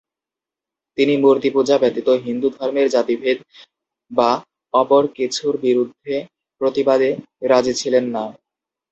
তিনি মূর্তিপূজা ব্যতীত হিন্দু ধর্মের জাতিভেদ বা অপর কিছুর বিরুদ্ধে প্রতিবাদে রাজি ছিলেন না।